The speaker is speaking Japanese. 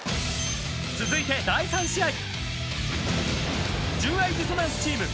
［続いて第３試合］